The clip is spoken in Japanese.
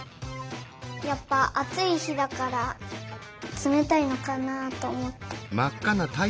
やっぱあついひだからつめたいのかなとおもって。